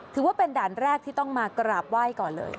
ถือว่าเป็นด่านแรกที่ต้องมากราบไหว้ก่อนเลย